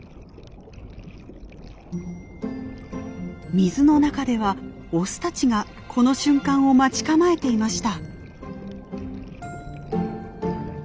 水の中ではオスたちがこの瞬間を待ち構えていました。